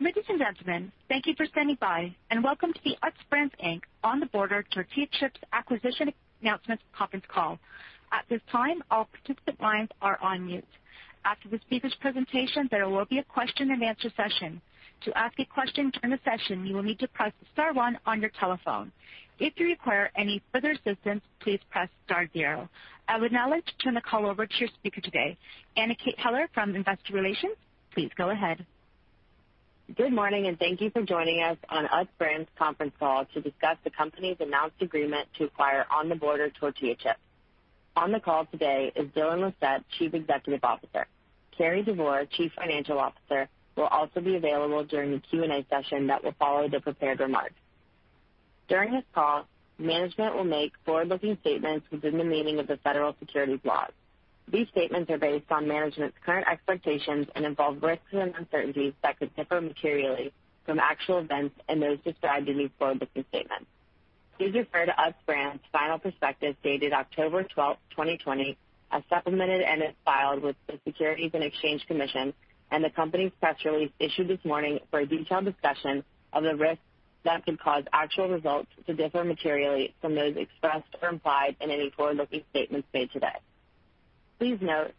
Ladies and gentlemen, thank you for standing by, and welcome to the Utz ON THE BORDER Tortilla Chips acquisition announcement conference call. At this time, all participant lines are on mute. After the speakers' presentation, there will be a question-and-answer session. To ask a question during the session, you will need to press star one on your telephone. If you require any further assistance, please press star zero. I would now like to turn the call over to your speaker today, Anna Kate Heller from Investor Relations. Please go ahead. Good morning, and thank you for joining us on Utz Brands conference call to discuss the company's announced agreement to acquire ON THE BORDER Tortilla Chips. On the call today is Dylan Lissette, Chief Executive Officer. Cary Devore, Chief Financial Officer, will also be available during the Q&A session that will follow the prepared remarks. During this call, management will make forward-looking statements within the meaning of the federal securities laws. These statements are based on management's current expectations and involve risks and uncertainties that could differ materially from actual events and those described in these forward-looking statements. Please refer to Utz Brands' final perspective dated October 12, 2020, as supplemented and as filed with the Securities and Exchange Commission, and the company's press release issued this morning for a detailed discussion of the risks that could cause actual results to differ materially from those expressed or implied in any forward-looking statements made today. Please note,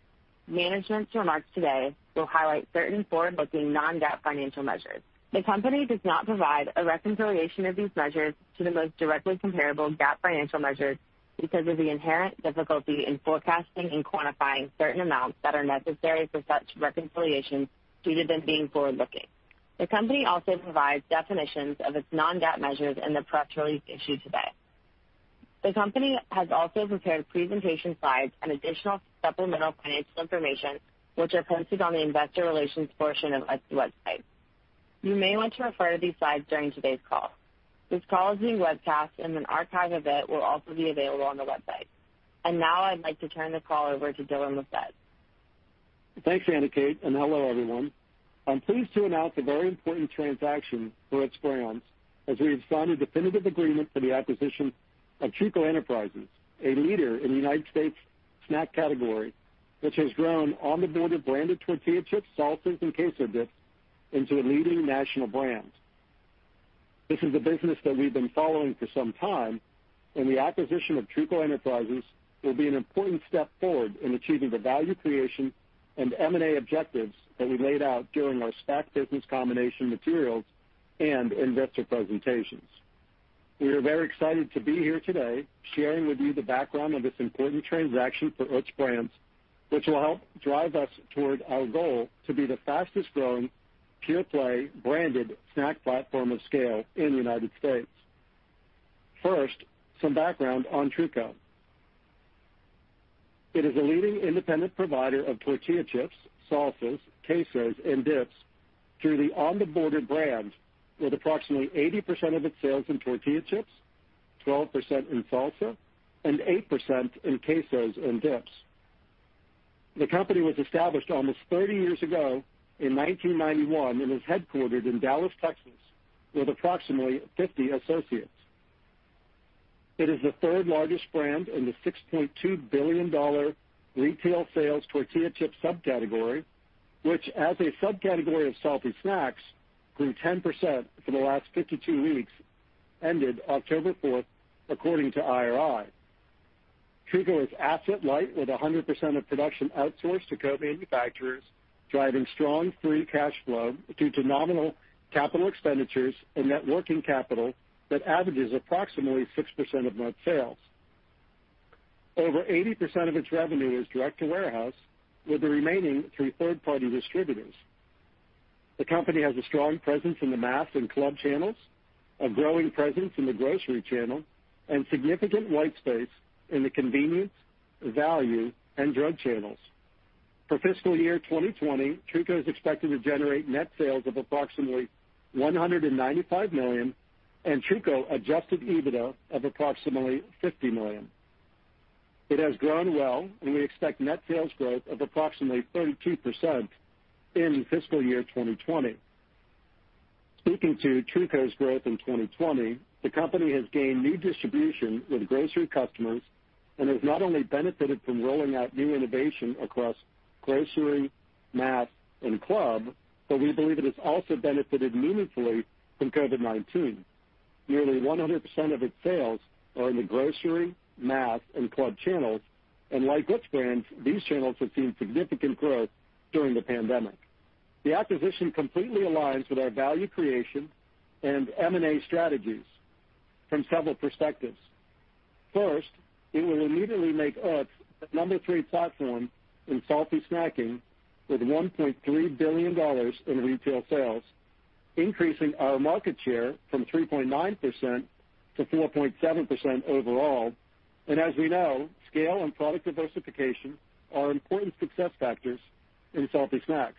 management's remarks today will highlight certain forward-looking non-GAAP financial measures. The company does not provide a reconciliation of these measures to the most directly comparable GAAP financial measures because of the inherent difficulty in forecasting and quantifying certain amounts that are necessary for such reconciliations due to them being forward-looking. The company also provides definitions of its non-GAAP measures in the press release issued today. The company has also prepared presentation slides and additional supplemental financial information, which are posted on the Investor Relations portion of Utz website. You may want to refer to these slides during today's call. This call is being webcast, and an archive of it will also be available on the website. Now I'd like to turn the call over to Dylan Lissette. Thanks, Anna Kate, and hello, everyone. I'm pleased to announce a very important transaction for Utz Brands as we have signed a definitive agreement for the acquisition of Truco Enterprises, a leader in the U.S. snack category, which has grown ON THE BORDER branded tortilla Chips, salsas, and queso dips into a leading national brand. This is a business that we've been following for some time. The acquisition of Truco Enterprises will be an important step forward in achieving the value creation and M&A objectives that we laid out during our SPAC business combination materials and investor presentations. We are very excited to be here today sharing with you the background of this important transaction for Utz Brands, which will help drive us toward our goal to be the fastest growing pure-play branded snack platform of scale in the U.S. First, some background on Truco. It is a leading independent provider of tortilla chips, salsas, quesos, and dips through the ON THE BORDER brand, with approximately 80% of its sales in tortilla chips, 12% in salsa, and 8% in quesos and dips. The company was established almost 30 years ago in 1991 and is headquartered in Dallas, Texas, with approximately 50 associates. It is the third-largest brand in the $6.2 billion retail sales tortilla chip subcategory, which as a subcategory of salty snacks, grew 10% for the last 52 weeks ended October 4th, according to IRI. Truco is asset light, with 100% of production outsourced to co-manufacturers, driving strong free cash flow due to nominal capital expenditures and net working capital that averages approximately 6% of net sales. Over 80% of its revenue is direct-to-warehouse, with the remaining through third-party distributors. The company has a strong presence in the mass and club channels, a growing presence in the grocery channel, and significant white space in the convenience, value, and drug channels. For fiscal year 2020, Truco is expected to generate net sales of approximately $195 million, and Truco adjusted EBITDA of approximately $50 million. It has grown well, and we expect net sales growth of approximately 32% in fiscal year 2020. Speaking to Truco's growth in 2020, the company has gained new distribution with grocery customers and has not only benefited from rolling out new innovation across grocery, mass, and club, but we believe it has also benefited meaningfully from COVID-19. Nearly 100% of its sales are in the grocery, mass, and club channels, and like Utz Brands, these channels have seen significant growth during the pandemic. The acquisition completely aligns with our value creation and M&A strategies from several perspectives. First, it will immediately make Utz the number three platform in salty snacking with $1.3 billion in retail sales, increasing our market share from 3.9%-4.7% overall. As we know, scale and product diversification are important success factors in salty snacks.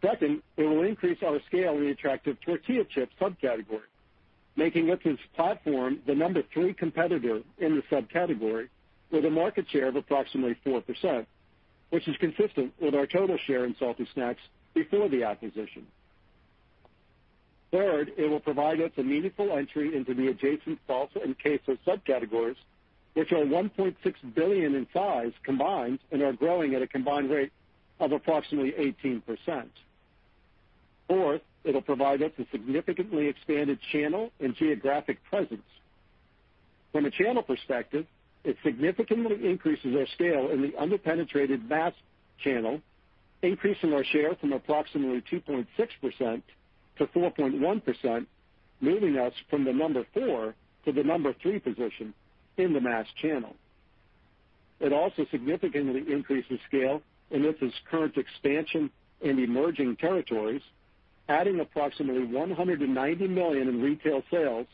Second, it will increase our scale in the attractive tortilla chip subcategory, making Utz's platform the number three competitor in the subcategory with a market share of approximately 4%, which is consistent with our total share in salty snacks before the acquisition. It will provide us a meaningful entry into the adjacent salsa and queso subcategories, which are $1.6 billion in size combined and are growing at a combined rate of approximately 18%. It'll provide us a significantly expanded channel and geographic presence. From a channel perspective, it significantly increases our scale in the under-penetrated mass channel, increasing our share from approximately 2.6% to 4.1%, moving us from the number four to the number three position in the mass channel. It also significantly increases scale in Utz's current expansion in emerging territories, adding approximately $190 million in retail sales,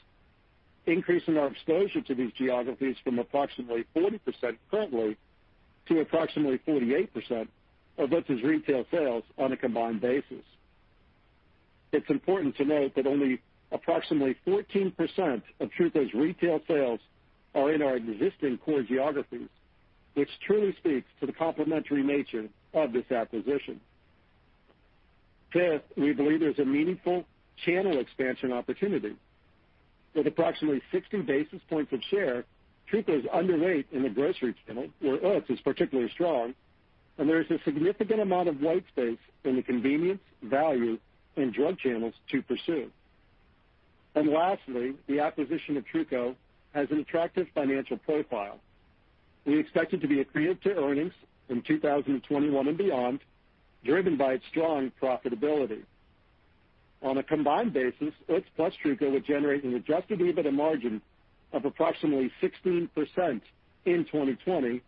increasing our exposure to these geographies from approximately 40% currently to approximately 48% of Utz's retail sales on a combined basis. It's important to note that only approximately 14% of Truco's retail sales are in our existing core geographies, which truly speaks to the complementary nature of this acquisition. Fifth, we believe there's a meaningful channel expansion opportunity. With approximately 60 basis points of share, Truco is underweight in the grocery channel, where Utz is particularly strong. There is a significant amount of white space in the convenience, value, and drug channels to pursue. Lastly, the acquisition of Truco has an attractive financial profile. We expect it to be accretive to earnings in 2021 and beyond, driven by its strong profitability. On a combined basis, Utz plus Truco would generate an adjusted EBITDA margin of approximately 16% in 2020,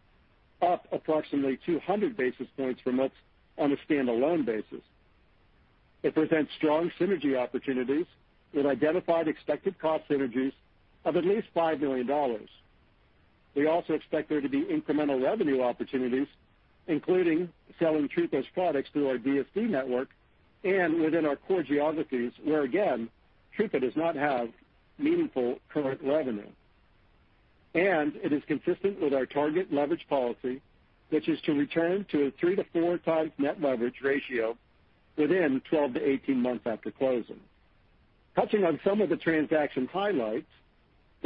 up approximately 200 basis points from Utz on a standalone basis. It presents strong synergy opportunities with identified expected cost synergies of at least $5 million. We also expect there to be incremental revenue opportunities, including selling Truco's products through our DSD network and within our core geographies, where again, Truco does not have meaningful current revenue. It is consistent with our target leverage policy, which is to return to a 3x-4x net leverage ratio within 12 months-18 months after closing. Touching on some of the transaction highlights,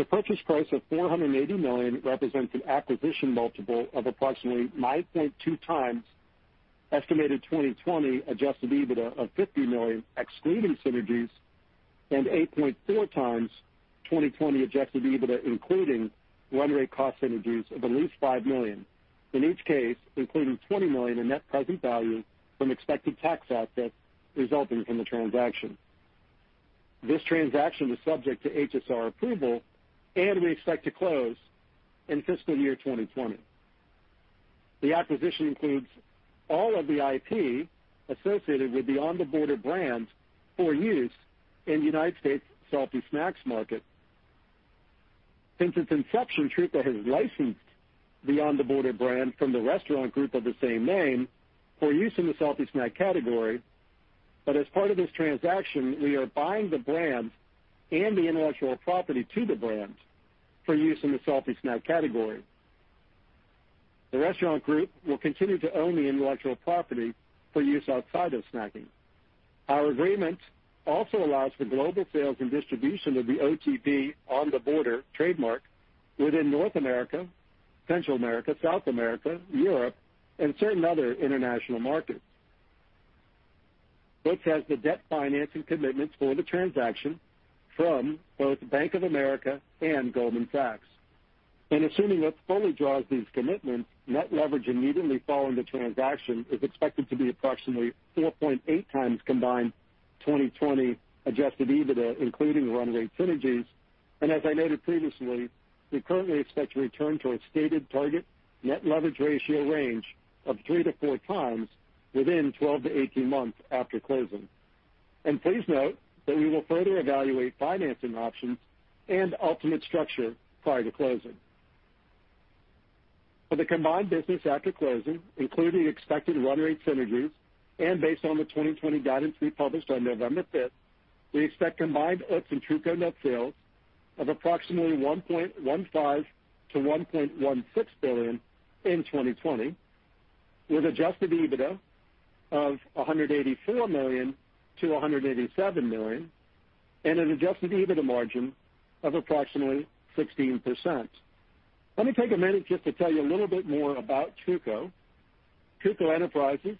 the purchase price of $480 million represents an acquisition multiple of approximately 9.2x estimated 2020 adjusted EBITDA of $50 million, excluding synergies, and 8.4x 2020 adjusted EBITDA, including run rate cost synergies of at least $5 million. In each case, including $20 million in net present value from expected tax assets resulting from the transaction. This transaction was subject to HSR approval, and we expect to close in fiscal year 2020. The acquisition includes all of the IP associated with the ON THE BORDER brand for use in the U.S. salty snacks market. Since its inception, Truco has licensed the ON THE BORDER brand from the restaurant group of the same name for use in the salty snack category. As part of this transaction, we are buying the brand and the intellectual property to the brand for use in the salty snack category. The restaurant group will continue to own the intellectual property for use outside of snacking. Our agreement also allows for global sales and distribution of the OTB ON THE BORDER trademark within North America, Central America, South America, Europe, and certain other international markets. Utz has the debt financing commitments for the transaction from both Bank of America and Goldman Sachs. Assuming Utz fully draws these commitments, net leverage immediately following the transaction is expected to be approximately 4.8x combined 2020 adjusted EBITDA, including run rate synergies. As I noted previously, we currently expect to return to our stated target net leverage ratio range of 3x-4x within 12 months-18 months after closing. Please note that we will further evaluate financing options and ultimate structure prior to closing. For the combined business after closing, including expected run rate synergies and based on the 2020 guidance we published on November 5th, we expect combined Utz and Truco net sales of approximately $1.15 billion-$1.16 billion in 2020, with adjusted EBITDA of $184 million-$187 million, and an adjusted EBITDA margin of approximately 16%. Let me take a minute just to tell you a little bit more about Truco. Truco Enterprises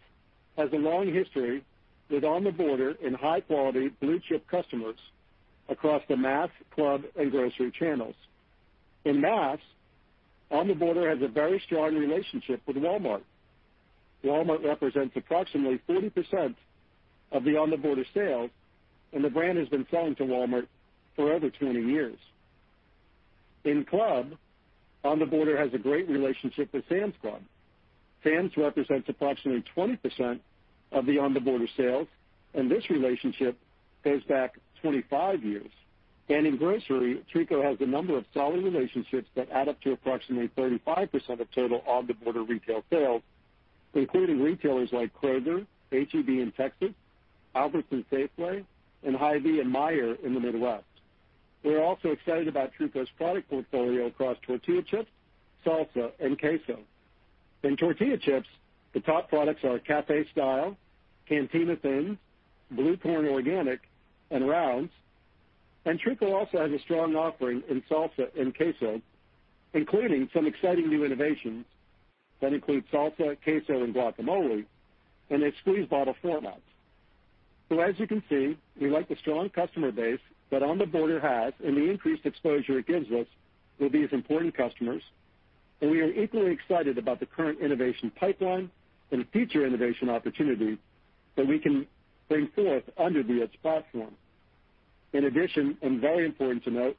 has a long history with ON THE BORDER and high-quality blue-chip customers across the mass, club, and grocery channels. In mass, ON THE BORDER has a very strong relationship with Walmart. Walmart represents approximately 40% of the ON THE BORDER sales. The brand has been selling to Walmart for over 20 years. In club, ON THE BORDER has a great relationship with Sam's Club. Sam's represents approximately 20% of the ON THE BORDER sales. This relationship goes back 25 years. In grocery, Truco has a number of solid relationships that add up to approximately 35% of total ON THE BORDER retail sales, including retailers like Kroger, H-E-B in Texas, Albertsons, Safeway, and Hy-Vee and Meijer in the Midwest. We are also excited about Truco's product portfolio across tortilla chips, salsa, and queso. In tortilla chips, the top products are Cafe Style, Cantina Thin, Blue Corn Organic, and Rounds. Truco also has a strong offering in salsa and queso, including some exciting new innovations that include salsa, queso, and guacamole in a squeeze bottle format. As you can see, we like the strong customer base that ON THE BORDER has and the increased exposure it gives us with these important customers, and we are equally excited about the current innovation pipeline and future innovation opportunities that we can bring forth under the Utz platform. In addition, and very important to note,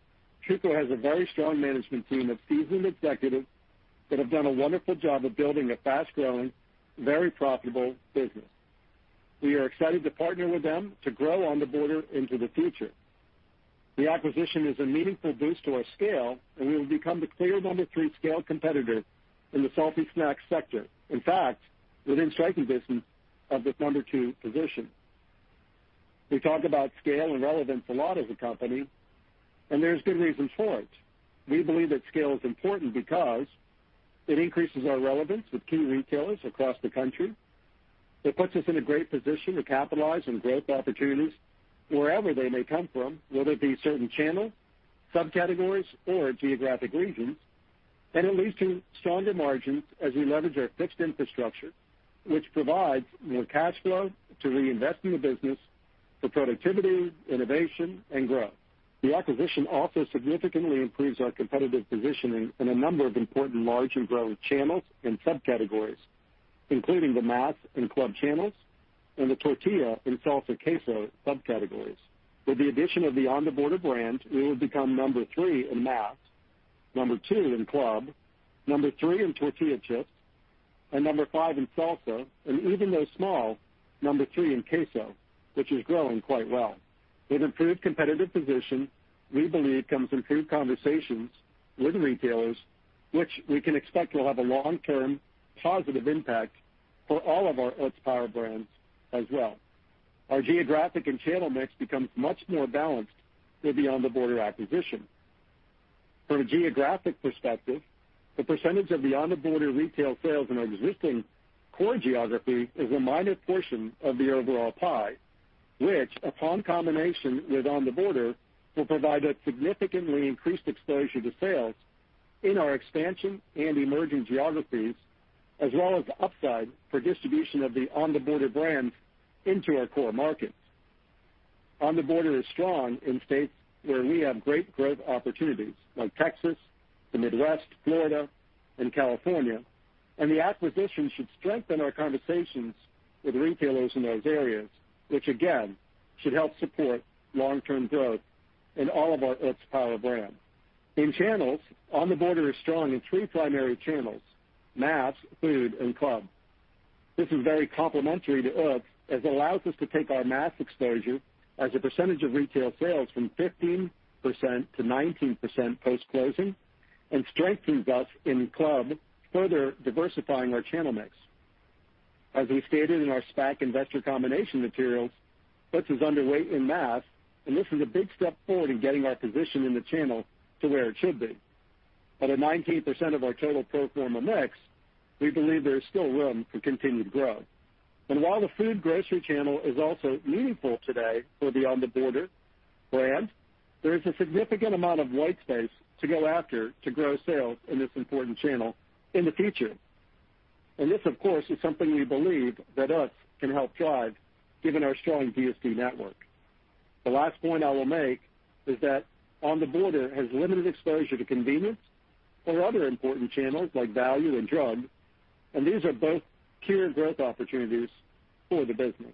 Truco has a very strong management team of seasoned executives that have done a wonderful job of building a fast-growing, very profitable business. We are excited to partner with them to grow ON THE BORDER into the future. The acquisition is a meaningful boost to our scale, and we will become the clear number three scale competitor in the salty snacks sector. In fact, within striking distance of the number two position. We talk about scale and relevance a lot as a company, and there's good reason for it. We believe that scale is important because it increases our relevance with key retailers across the country. It puts us in a great position to capitalize on growth opportunities wherever they may come from, whether it be certain channels, subcategories, or geographic regions. It leads to stronger margins as we leverage our fixed infrastructure, which provides more cash flow to reinvest in the business for productivity, innovation, and growth. The acquisition also significantly improves our competitive positioning in a number of important large and growing channels and subcategories, including the mass and club channels and the tortilla and salsa/queso subcategories. With the addition of the ON THE BORDER brand, we will become number three in mass, number two in club, number three in tortilla chips, and number five in salsa, and even though small, number three in queso, which is growing quite well. With improved competitive position, we believe comes improved conversations with retailers, which we can expect will have a long-term positive impact for all of our Utz Power Brands as well. Our geographic and channel mix becomes much more balanced with the ON THE BORDER acquisition. From a geographic perspective, the percentage of the ON THE BORDER retail sales in our existing core geography is a minor portion of the overall pie, which, upon combination with ON THE BORDER, will provide a significantly increased exposure to sales in our expansion and emerging geographies, as well as upside for distribution of the ON THE BORDER brands into our core markets. ON THE BORDER is strong in states where we have great growth opportunities, like Texas, the Midwest, Florida, and California, and the acquisition should strengthen our conversations with retailers in those areas, which again, should help support long-term growth in all of our Utz Power Brands. In channels, ON THE BORDER is strong in three primary channels, mass, food, and club. This is very complementary to Utz, as it allows us to take our mass exposure as a percentage of retail sales from 15% to 19% post-closing and strengthens us in club, further diversifying our channel mix. As we stated in our SPAC investor combination materials, Utz is underweight in mass, and this is a big step forward in getting our position in the channel to where it should be. At a 19% of our total pro forma mix, we believe there is still room for continued growth. While the food grocery channel is also meaningful today for the ON THE BORDER brand, there is a significant amount of white space to go after to grow sales in this important channel in the future. This, of course, is something we believe that Utz can help drive given our strong DSD network. The last point I will make is that ON THE BORDER has limited exposure to convenience or other important channels like value and drug, and these are both key growth opportunities for the business.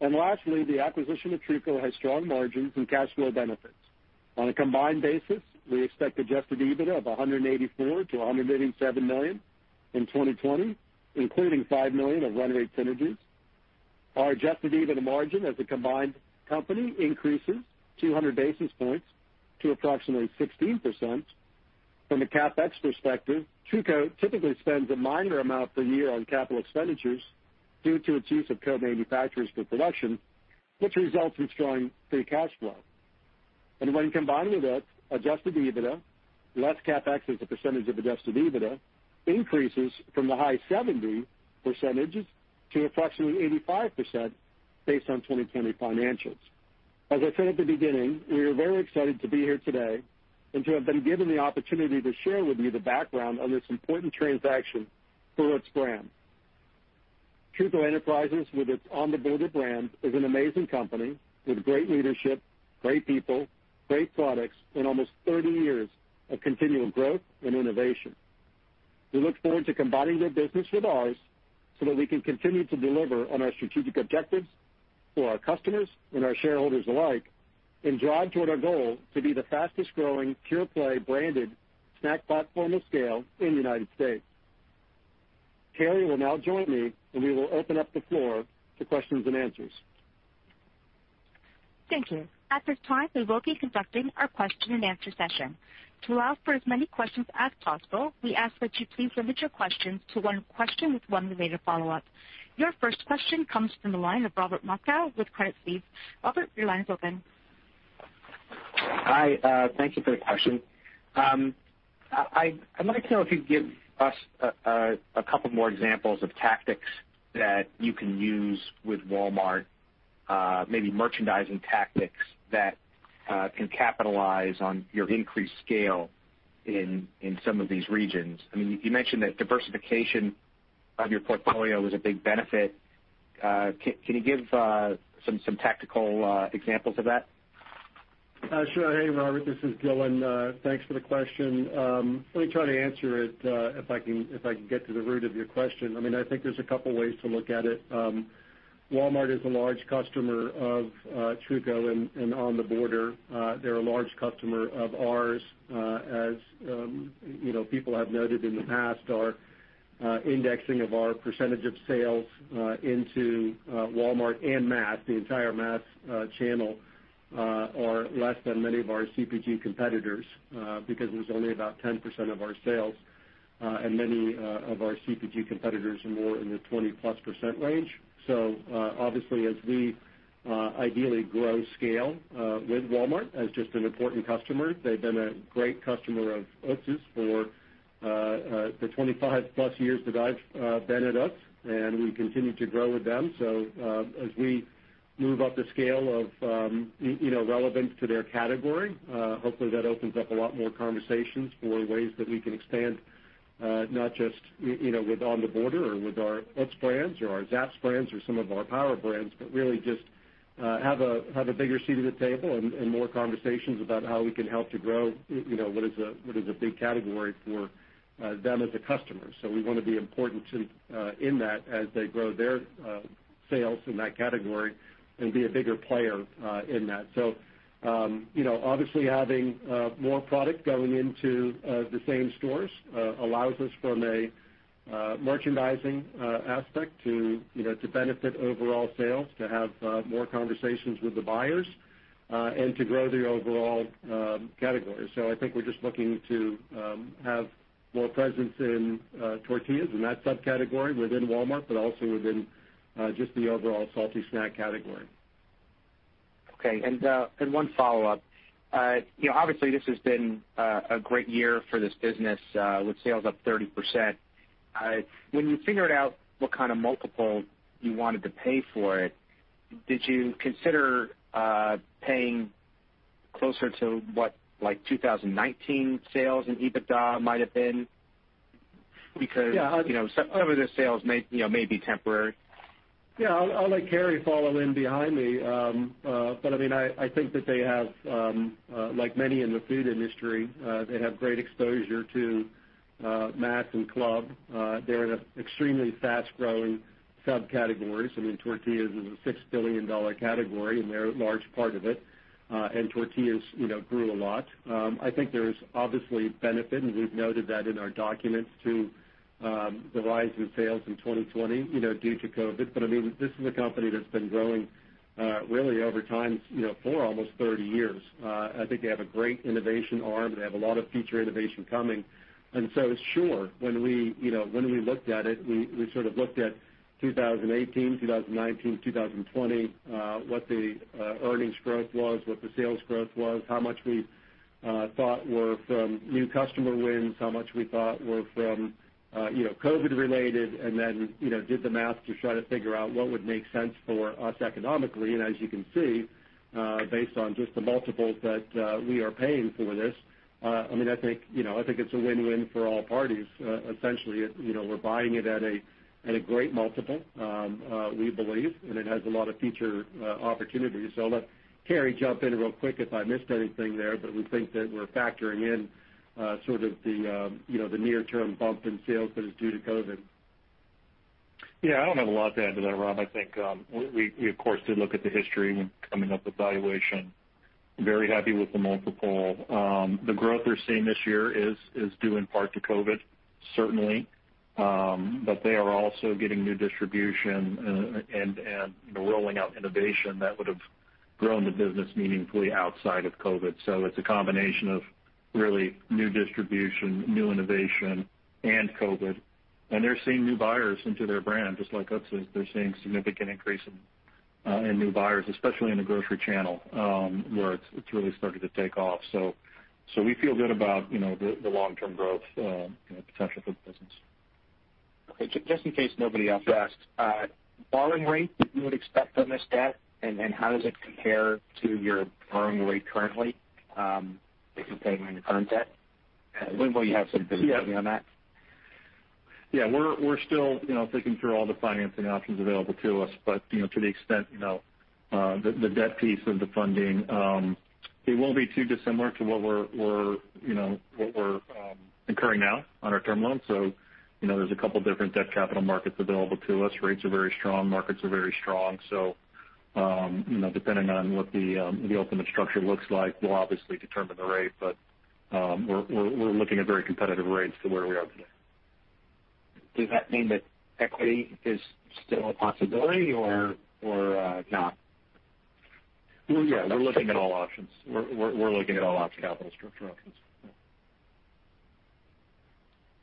Lastly, the acquisition of Truco has strong margins and cash flow benefits. On a combined basis, we expect adjusted EBITDA of $184 million-$187 million in 2020, including $5 million of run rate synergies. Our adjusted EBITDA margin as a combined company increases 200 basis points to approximately 16%. From a CapEx perspective, Truco typically spends a minor amount per year on capital expenditures due to its use of co-manufacturers for production, which results in strong free cash flow. When combined with Utz, adjusted EBITDA, less CapEx as a percentage of adjusted EBITDA, increases from the high 70% to approximately 85% based on 2020 financials. I said at the beginning, we are very excited to be here today and to have been given the opportunity to share with you the background on this important transaction for Utz Brands. Truco Enterprises, with its ON THE BORDER brand, is an amazing company with great leadership, great people, great products, and almost 30 years of continual growth and innovation. We look forward to combining their business with ours so that we can continue to deliver on our strategic objectives for our customers and our shareholders alike and drive toward our goal to be the fastest-growing pure-play branded snack platform of scale in the United States. Cary will now join me, and we will open up the floor to questions-and-answers. Thank you. At this time, we will be conducting our question-and-answer session. To allow for as many questions as possible, we ask that you please limit your questions to one question with one related follow-up. Your first question comes from the line of Robert Moskow with Credit Suisse. Robert, your line is open. Hi, thank you for the question. I'd like to know if you'd give us a couple more examples of tactics that you can use with Walmart, maybe merchandising tactics that can capitalize on your increased scale in some of these regions. You mentioned that diversification of your portfolio is a big benefit. Can you give some tactical examples of that? Sure. Hey, Robert, this is Dylan. Thanks for the question. Let me try to answer it, if I can get to the root of your question. I think there's a couple ways to look at it. Walmart is a large customer of Truco and ON THE BORDER. They're a large customer of ours. As people have noted in the past, our indexing of our percentage of sales into Walmart and mass, the entire mass channel, are less than many of our CPG competitors, because it was only about 10% of our sales. Many of our CPG competitors are more in the 20+% range. Obviously, as we ideally grow scale with Walmart as just an important customer, they've been a great customer of Utz's for the 25+ years that I've been at Utz, and we continue to grow with them. As we move up the scale of relevance to their category, hopefully that opens up a lot more conversations for ways that we can expand, not just with ON THE BORDER or with our Utz Brands or our Zapp's brands or some of our Power Brands, but really just have a bigger seat at the table and more conversations about how we can help to grow what is a big category for them as a customer. We want to be important in that as they grow their sales in that category and be a bigger player in that. Obviously, having more product going into the same stores allows us from a merchandising aspect to benefit overall sales, to have more conversations with the buyers, and to grow the overall category. I think we're just looking to have more presence in tortillas and that subcategory within Walmart, but also within just the overall salty snack category. Okay, one follow-up. Obviously, this has been a great year for this business with sales up 30%. When you figured out what kind of multiple you wanted to pay for it, did you consider paying closer to what 2019 sales and EBITDA might have been? Because some of the sales may be temporary. Yeah, I'll let Cary follow in behind me. I think that they have, like many in the food industry, they have great exposure to mass and club. They're in extremely fast-growing subcategories. Tortillas is a $6 billion category, and they're a large part of it. Tortillas grew a lot. I think there's obviously benefit, and we've noted that in our documents, to the rise in sales in 2020 due to COVID. This is a company that's been growing really over time for almost 30 years. I think they have a great innovation arm. They have a lot of future innovation coming. Sure, when we looked at it, we sort of looked at 2018, 2019, 2020, what the earnings growth was, what the sales growth was, how much we thought were from new customer wins, how much we thought were from COVID related, and then did the math to try to figure out what would make sense for us economically. As you can see, based on just the multiples that we are paying for this, I think it's a win-win for all parties. Essentially, we're buying it at a great multiple, we believe, and it has a lot of future opportunities. I'll let Cary jump in real quick if I missed anything there. We think that we're factoring in sort of the near-term bump in sales that is due to COVID. Yeah, I don't have a lot to add to that, Dylan. I think we, of course, did look at the history when coming up with valuation. Very happy with the multiple. The growth we're seeing this year is due in part to COVID, certainly. They are also getting new distribution and rolling out innovation that would've grown the business meaningfully outside of COVID. It's a combination of really new distribution, new innovation, and COVID. They're seeing new buyers into their brand, just like Utz is. They're seeing significant increase in new buyers, especially in the grocery channel, where it's really started to take off. We feel good about the long-term growth potential for the business. Okay. Just in case nobody else asks, borrowing rate that you would expect on this debt, and how does it compare to your borrowing rate currently if you're paying on your current debt? Will you have something to chime in on that? Yeah, we're still thinking through all the financing options available to us. To the extent, the debt piece of the funding, it won't be too dissimilar to what we're incurring now on our term loan. There's a couple different debt capital markets available to us. Rates are very strong, markets are very strong. Depending on what the ultimate structure looks like will obviously determine the rate. We're looking at very competitive rates to where we are today. Does that mean that equity is still a possibility or not? Yeah. We're looking at all options. We're looking at all capital structure options.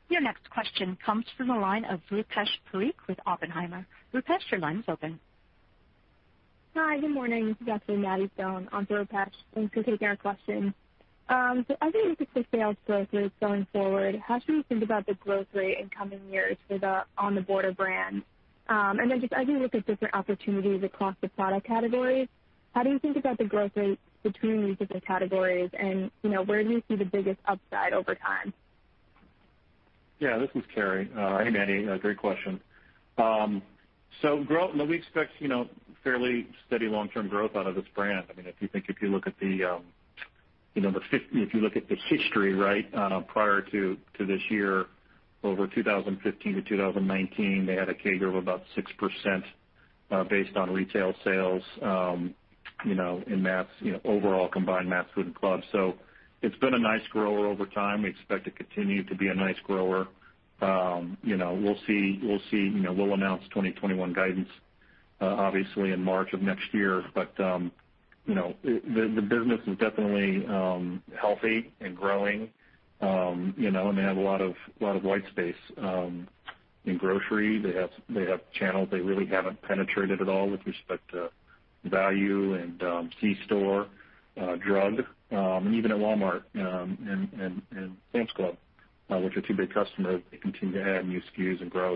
Your next question comes from the line of Rupesh Parikh with Oppenheimer. Rupesh, your line is open. Hi, good morning. This is actually Maddy Stone on Rupesh. Thanks for taking our question. As you look at the sales growth rate going forward, how should we think about the growth rate in coming years for the ON THE BORDER brand? Just as you look at different opportunities across the product categories, how do you think about the growth rates between these different categories and where do you see the biggest upside over time? Yeah, this is Cary. Hey, Maddy. Great question. Growth. No, we expect fairly steady long-term growth out of this brand. If you look at the history, right, prior to this year, over 2015 to 2019, they had a CAGR of about 6% based on retail sales, in mass, overall combined mass, food, and club. It's been a nice grower over time. We expect to continue to be a nice grower. We'll announce 2021 guidance, obviously in March of next year. The business is definitely healthy and growing. They have a lot of white space in grocery. They have channels they really haven't penetrated at all with respect to value and C-store, drug, and even at Walmart, and Sam's Club, which are two big customers. They continue to add new SKUs and grow.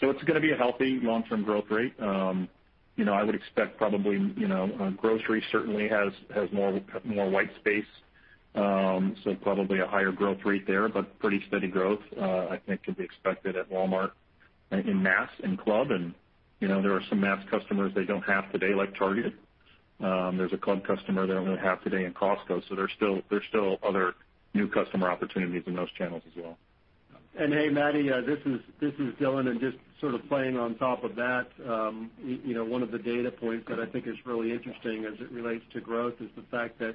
It's gonna be a healthy long-term growth rate. I would expect probably, grocery certainly has more white space. Probably a higher growth rate there, but pretty steady growth, I think could be expected at Walmart in mass and club, and there are some mass customers they don't have today, like Target. There's a club customer they don't have today in Costco, so there's still other new customer opportunities in those channels as well. Hey, Maddy, this is Dylan, just sort of playing on top of that. One of the data points that I think is really interesting as it relates to growth is the fact that,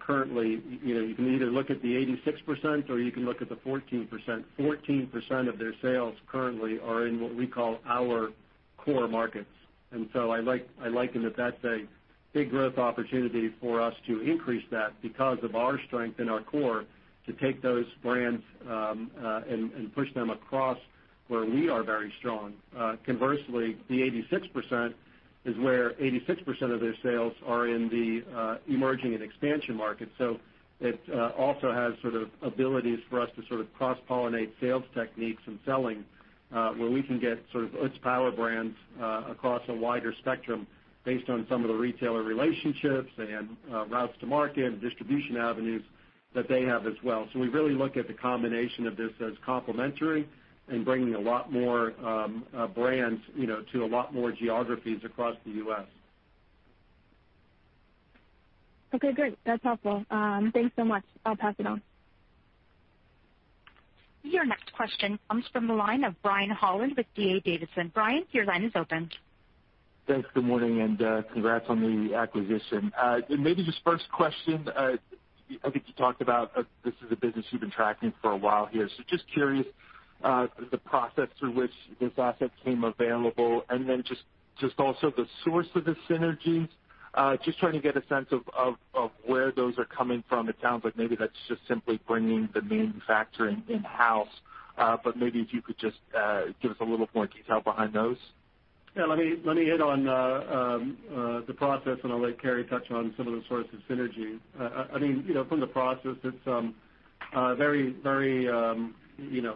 currently, you can either look at the 86% or you can look at the 14%. 14% of their sales currently are in what we call our core markets. I liken that's a big growth opportunity for us to increase that because of our strength in our core to take those brands, and push them across where we are very strong. Conversely, the 86% is where 86% of their sales are in the emerging and expansion market. It also has sort of abilities for us to sort of cross-pollinate sales techniques and selling, where we can get sort of Utz Power Brands across a wider spectrum based on some of the retailer relationships and routes to market and distribution avenues that they have as well. We really look at the combination of this as complementary and bringing a lot more brands to a lot more geographies across the U.S. Okay, great. That's helpful. Thanks so much. I'll pass it on. Your next question comes from the line of Brian Holland with D.A. Davidson. Brian, your line is open. Thanks. Good morning, congrats on the acquisition. Maybe just first question, I think you talked about this is a business you've been tracking for a while here. Just curious, the process through which this asset came available and then just also the source of the synergies. Just trying to get a sense of where those are coming from. It sounds like maybe that's just simply bringing the manufacturing in-house. Maybe if you could just give us a little more detail behind those. Yeah, let me hit on the process, and I'll let Cary touch on some of the source of synergy. From the process, it's very,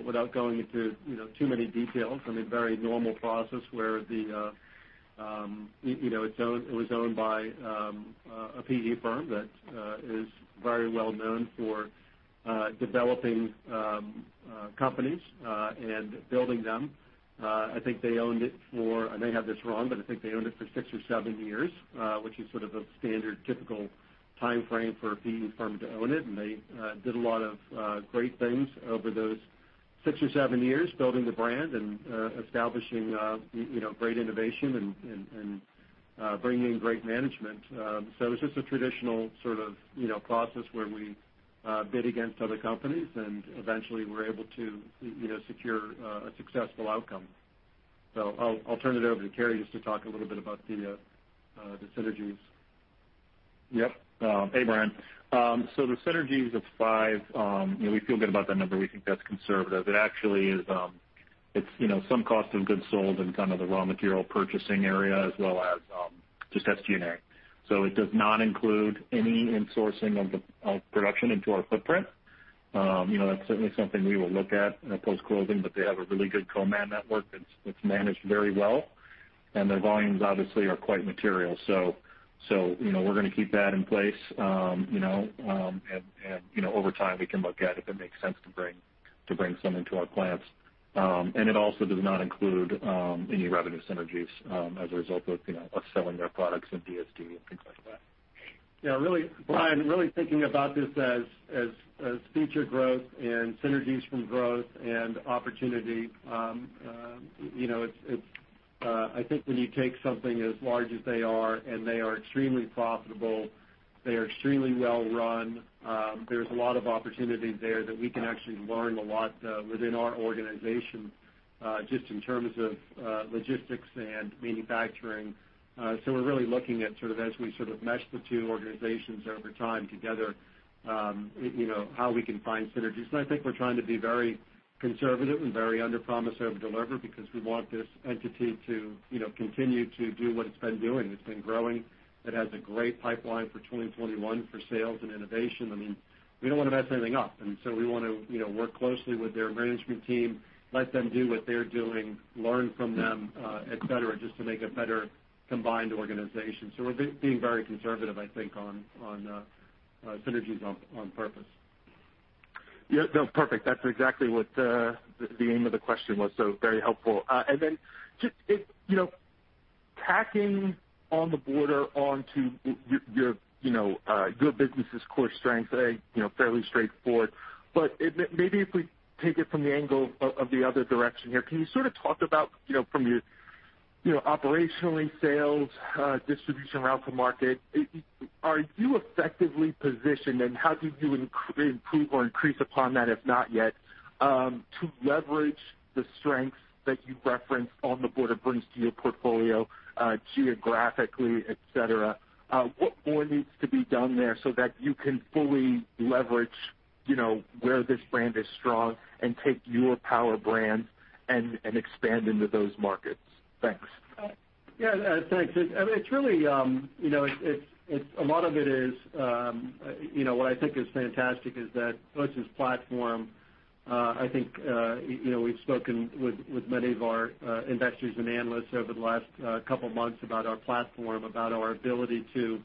without going into too many details, very normal process where it was owned by a PE firm that is very well known for developing companies and building them. I think they owned it for, I may have this wrong, but I think they owned it for six or seven years, which is sort of a standard, typical timeframe for a PE firm to own it. They did a lot of great things over those six or seven years, building the brand and establishing great innovation and bringing in great management. It was just a traditional sort of process where we bid against other companies, and eventually we're able to secure a successful outcome. I'll turn it over to Cary just to talk a little bit about the synergies. Yep. Hey, Brian. The synergies of five, we feel good about that number. We think that's conservative. It actually is some cost of goods sold and kind of the raw material purchasing area as well as just SG&A. It does not include any insourcing of production into our footprint. That's certainly something we will look at post-closing, but they have a really good co-man network that's managed very well, and their volumes obviously are quite material. We're gonna keep that in place. Over time, we can look at if it makes sense to bring some into our plants. It also does not include any revenue synergies, as a result of selling their products in DSD and things like that. Yeah, Brian, really thinking about this as future growth and synergies from growth and opportunity. I think when you take something as large as they are, and they are extremely profitable, they are extremely well run. There's a lot of opportunity there that we can actually learn a lot within our organization, just in terms of logistics and manufacturing. We're really looking at sort of as we mesh the two organizations over time together how we can find synergies. I think we're trying to be very conservative and very under-promise, over-deliver, because we want this entity to continue to do what it's been doing. It's been growing. It has a great pipeline for 2021 for sales and innovation. We don't want to mess anything up, we want to work closely with their management team, let them do what they're doing, learn from them, et cetera, just to make a better combined organization. We're being very conservative, I think, on synergies on purpose. Yeah. No, perfect. That's exactly what the aim of the question was, so very helpful. Tacking ON THE BORDER onto your business' core strength, fairly straightforward. Maybe if we take it from the angle of the other direction here, can you sort of talk about from your operationally sales, distribution route to market, are you effectively positioned and how do you improve or increase upon that, if not yet, to leverage the strengths that you referenced ON THE BORDER brings to your portfolio geographically, et cetera? What more needs to be done there so that you can fully leverage where this brand is strong and take your Utz Power Brands and expand into those markets? Thanks. Yeah. Thanks. A lot of it is, what I think is fantastic is that Utz's platform, I think, we've spoken with many of our investors and analysts over the last couple of months about our platform, about our ability to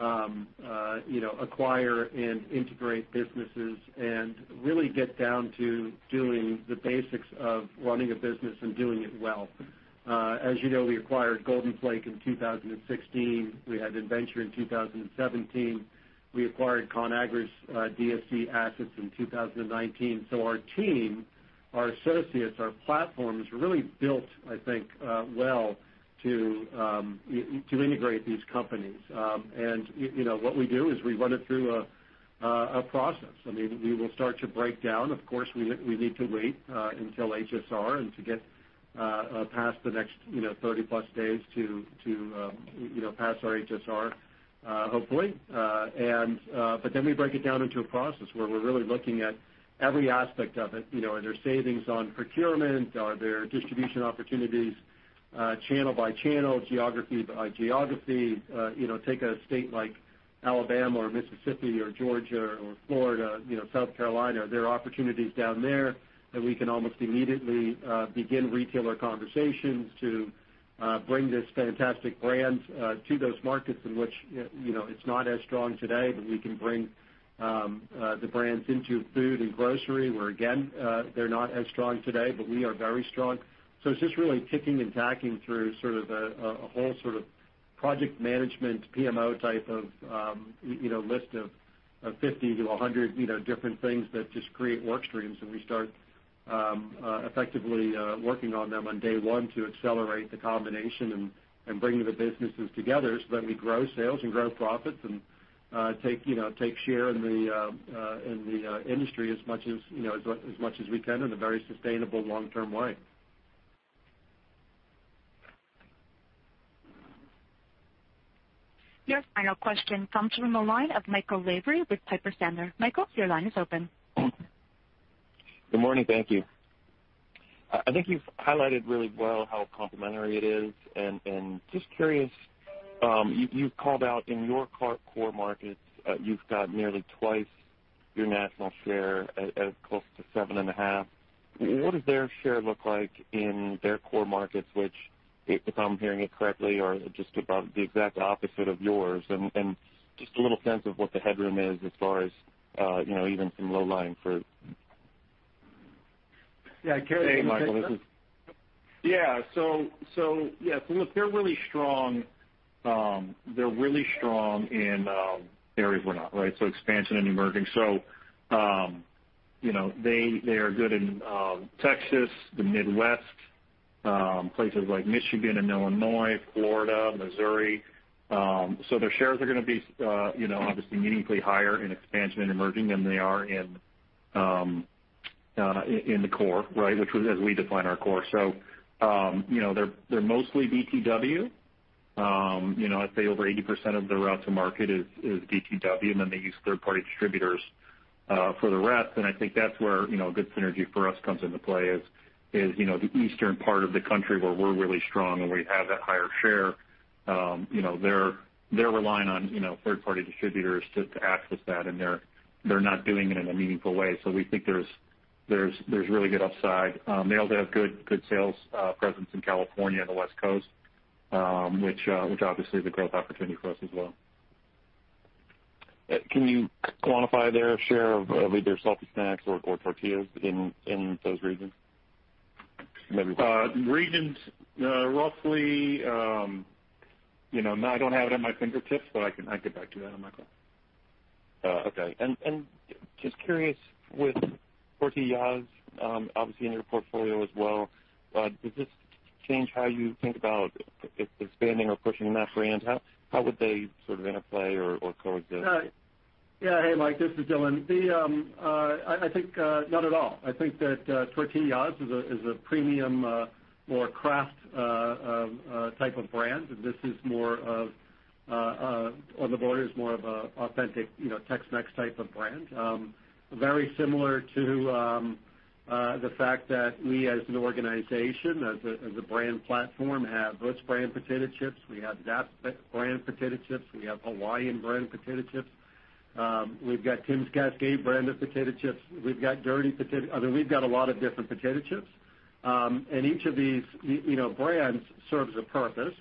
acquire and integrate businesses and really get down to doing the basics of running a business and doing it well. As you know, we acquired Golden Flake in 2016. We had Inventure in 2017. We acquired Conagra's DSD assets in 2019. Our team, our associates, our platform is really built, I think, well to integrate these companies. What we do is we run it through a process. We will start to break down. Of course, we need to wait until HSR and to get past the next, 30+ days to pass our HSR, hopefully. We break it down into a process where we're really looking at every aspect of it. Are there savings on procurement? Are there distribution opportunities, channel by channel, geography by geography? Take a state like Alabama or Mississippi or Georgia or Florida, South Carolina. There are opportunities down there that we can almost immediately begin retailer conversations to bring this fantastic brand to those markets in which it's not as strong today, but we can bring the brands into food and grocery, where again, they're not as strong today, but we are very strong. It's just really ticking and tacking through a whole sort of project management, PMO type of list of 50-100 different things that just create work streams, and we start effectively working on them on day one to accelerate the combination and bring the businesses together so that we grow sales and grow profits and take share in the industry as much as we can in a very sustainable long-term way. Your final question comes from the line of Michael Lavery with Piper Sandler. Michael, your line is open. Good morning. Thank you. I think you've highlighted really well how complementary it is. Just curious, you've called out in your core markets, you've got nearly twice your national share at close to 7.5%. What does their share look like in their core markets, which, if I'm hearing it correctly, are just about the exact opposite of yours? Just a little sense of what the headroom is as far as even some low-lying fruit. Yeah. Cary. Hey, Michael, look, they're really strong in areas we're not, right? Expansion and emerging. They are good in Texas, the Midwest, places like Michigan and Illinois, Florida, Missouri. Their shares are gonna be obviously meaningfully higher in expansion and emerging than they are in the core, right, which was as we define our core. They're mostly DTW. I'd say over 80% of their route to market is DTW, and then they use third-party distributors for the rest. I think that's where a good synergy for us comes into play is, the eastern part of the country where we're really strong and we have that higher share. They're relying on third-party distributors to access that, and they're not doing it in a meaningful way. We think there's really good upside. They also have good sales presence in California and the West Coast, which obviously is a growth opportunity for us as well. Can you quantify their share of either salty snacks or tortillas in those regions? Regions, roughly, I don't have it on my fingertips, but I can get back to you on that, Michael. Okay. Just curious with Tortiyahs!, obviously in your portfolio as well, does this change how you think about expanding or pushing that brand? How would they sort of interplay or coexist? Yeah. Hey, Mike, this is Dylan. I think not at all. I think that Tortiyahs! is a premium, more craft type of brand. This is more of ON THE BORDER is more of a authentic Tex-Mex type of brand. Very similar to the fact that we, as an organization, as a brand platform, have Utz brand potato chips, we have Zapp's brand potato chips, we have Hawaiian Brand potato chips, we've got Tim's Cascade brand of potato chips, we've got Dirty Potato. I mean, we've got a lot of different potato chips. Each of these brands serves a purpose,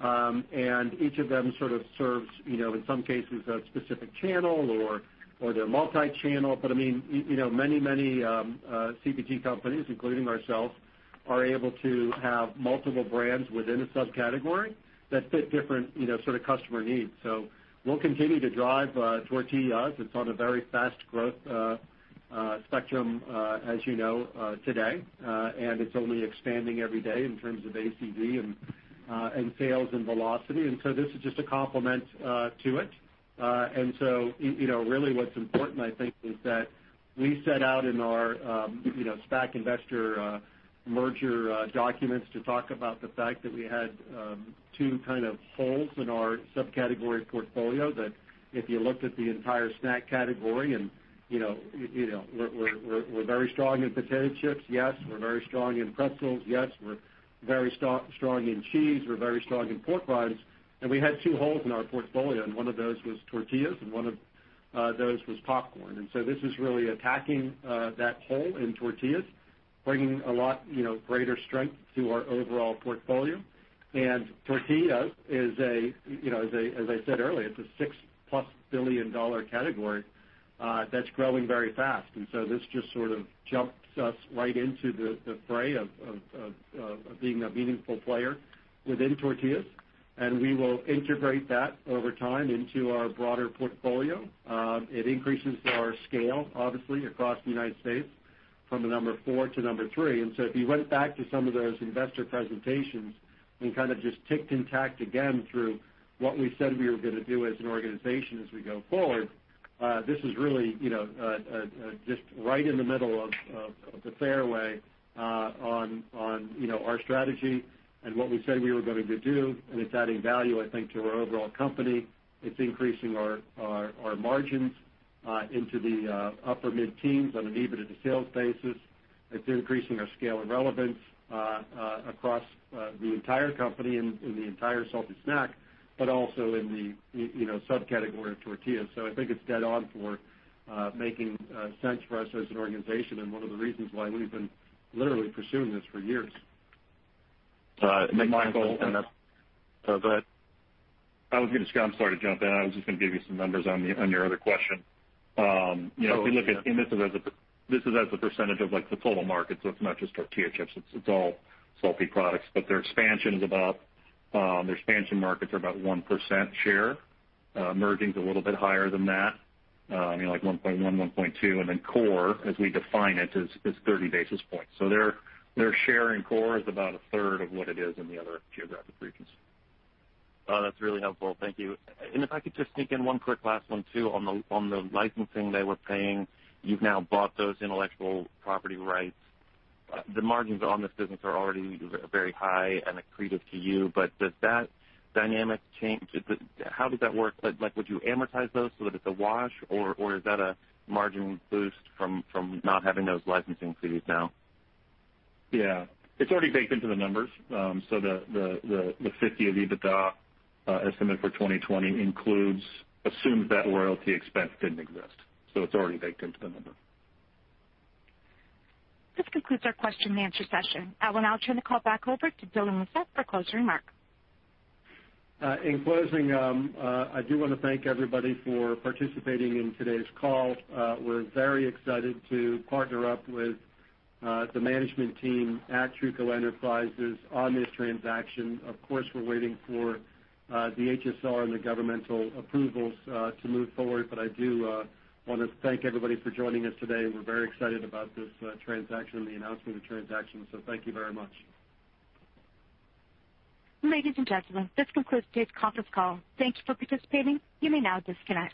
and each of them sort of serves in some cases, a specific channel or they're multi-channel. I mean, many CPG companies, including ourselves, are able to have multiple brands within a subcategory that fit different sort of customer needs. We'll continue to drive Tortiyahs!. It's on a very fast growth spectrum, as you know, today. It's only expanding every day in terms of ACV and sales and velocity. This is just a complement to it. Really what's important, I think, is that we set out in our SPAC investor merger documents to talk about the fact that we had two kind of holes in our subcategory portfolio that if you looked at the entire snack category and we're very strong in potato chips, yes, we're very strong in pretzels, yes, we're very strong in cheese, we're very strong in pork rinds, and we had two holes in our portfolio, and one of those was tortillas, and one of those was popcorn. This is really attacking that hole in tortillas, bringing a lot greater strength to our overall portfolio. Tortillas, as I said earlier, it's a $6+ billion-dollar category that's growing very fast. This just sort of jumps us right into the fray of being a meaningful player within tortillas, and we will integrate that over time into our broader portfolio. It increases our scale, obviously, across the U.S. from a number four to number three. If you went back to some of those investor presentations and kind of just ticked and tacked again through what we said we were gonna do as an organization as we go forward, this is really just right in the middle of the fairway on our strategy and what we said we were going to do. It's adding value, I think, to our overall company. It's increasing our margins into the upper mid-teens on an EBITDA sales basis. It's increasing our scale and relevance across the entire company and in the entire salty snack, but also in the subcategory of tortillas. I think it's dead on for making sense for us as an organization and one of the reasons why we've been literally pursuing this for years. Michael- Go ahead. I'm sorry to jump in. I was just gonna give you some numbers on your other question. Oh, sure. If you look at, and this is as a percentage of the total market, so it's not just tortilla chips, it's all salty products, but their expansion markets are about 1% share. Merging's a little bit higher than that, like 1.1%, 1.2%. Core, as we define it, is 30 basis points. Their share in core is about 1/3 of what it is in the other geographic regions. Oh, that's really helpful. Thank you. If I could just sneak in one quick last one, too, on the licensing they were paying. You've now bought those intellectual property rights. The margins on this business are already very high and accretive to you, but does that dynamic change? How does that work? Would you amortize those so that it's a wash, or is that a margin boost from not having those licensing fees now? Yeah. It's already baked into the numbers. The $50 of EBITDA estimated for 2020 includes assumed that royalty expense didn't exist, so it's already baked into the number. This concludes our question-and-answer session. I will now turn the call back over to Dylan Lissette for closing remarks. In closing, I do wanna thank everybody for participating in today's call. We're very excited to partner up with the management team at Truco Enterprises on this transaction. Of course, we're waiting for the HSR and the governmental approvals to move forward, but I do wanna thank everybody for joining us today. We're very excited about this transaction and the announcement of the transaction, so thank you very much. Ladies and gentlemen, this concludes today's conference call. Thank you for participating. You may now disconnect.